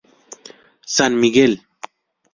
San Miguel